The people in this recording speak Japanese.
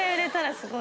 すごい。